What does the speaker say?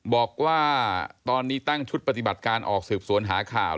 บอกว่าตอนนี้ตั้งชุดปฏิบัติการออกสืบสวนหาข่าว